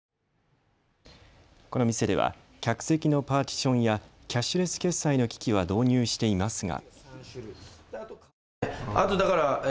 この店では客席のパーティションやキャッシュレス決済の機器は導入していますが。